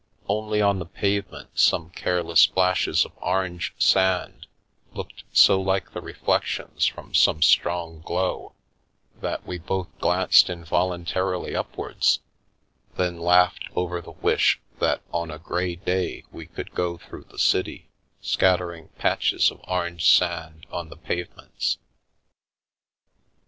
Only on the pavement some careless splashes of orange sand looked so like the reflections from some strong glow that we both glanced involuntarily upwards, then laughed over the wish that on a grey day we could go through the city scattering patches of orange sand on the pavements.